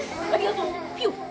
ありがとうぴよ